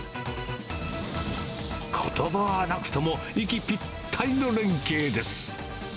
ことばはなくとも息ぴったりの連係です。